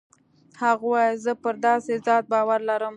هغه وويل زه پر داسې ذات باور لرم.